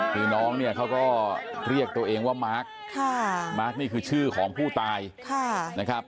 คือน้องเนี่ยเขาก็เรียกตัวเองว่ามาร์คมาร์คนี่คือชื่อของผู้ตายนะครับ